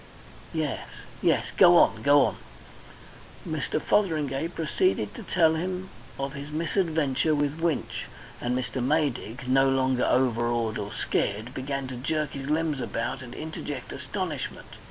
Yes yes. Go on. Go on!" Mr. Fotheringay proceeded to tell of his misadventure with Winch, and Mr. Maydig, no longer overawed or scared, began to jerk his limbs about and interject astonishment.